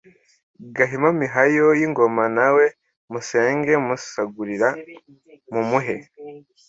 Gahima Mihayo y’ingoma Na we musenge musagurire Mumuhe